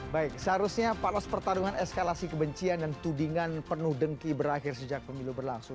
baik seharusnya palos pertarungan eskalasi kebencian dan tudingan penuh dengki berakhir sejak pemilu berlangsung